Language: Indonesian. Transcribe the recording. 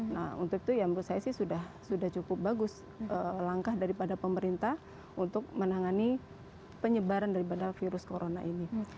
nah untuk itu ya menurut saya sih sudah cukup bagus langkah daripada pemerintah untuk menangani penyebaran daripada virus corona ini